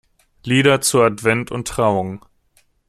Lieder zu Advent und Trauung".